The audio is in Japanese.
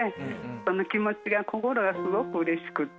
その気持ちが心がすごくうれしくて。